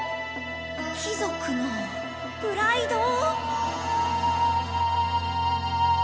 貴族のプライド。